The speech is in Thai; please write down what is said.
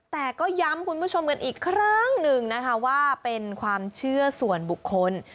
แต่ก็ย้ำคุณผู้ชมกันอีกครั้งหนึ่งนะคะว่าเป็นความเชื่อส่วนบุคคล